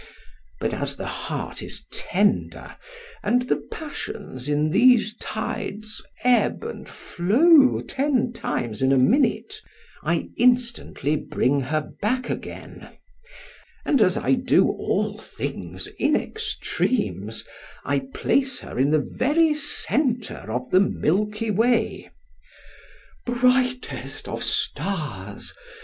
But as the heart is tender, and the passions in these tides ebb and flow ten times in a minute, I instantly bring her back again; and as I do all things in extremes, I place her in the very center of the milky way—— Brightest of stars!